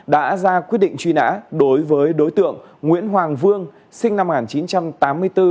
đã ra quyết định truy nã đối với đối tượng nguyễn hoàng vương sinh năm một nghìn chín trăm tám mươi bốn